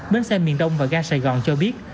bến xe miền đông và ga sài gòn cho biết